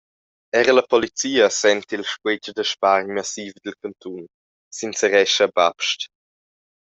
Era la polizia senti il squetsch da spargn massiv dil cantun, sincerescha Bapst.